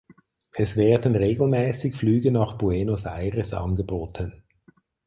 Es werden regelmäßig Flüge nach Buenos Aires angeboten.